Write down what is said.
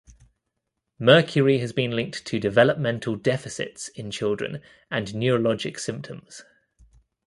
Mercury has been linked to developmental deficits in children and neurologic symptoms.